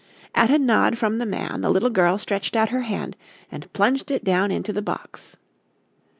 At a nod from the man, the little girl stretched out her hand and plunged it down into the box.